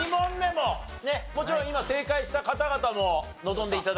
もちろん今正解した方々も臨んで頂きますからね。